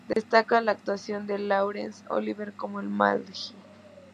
Destaca la actuación de Lawrence Olivier como el Mahdi.